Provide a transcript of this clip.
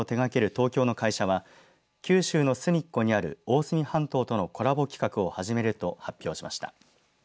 東京の会社は九州のすみっこにある大隅半島とのコラボ企画を始めると発表しました。